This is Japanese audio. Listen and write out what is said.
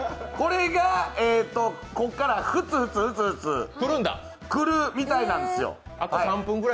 ここからふつふつくるみたいなんですよ。